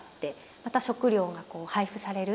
また食料が配布される。